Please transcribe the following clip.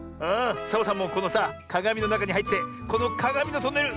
サボさんもこのさかがみのなかにはいってこのかがみのトンネル